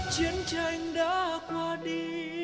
chiến tranh đã qua đi